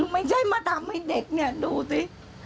ไม่ใช่มาทำให้เด็กเนี่ยดูสิ